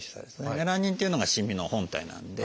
メラニンっていうのがしみの本体なんで。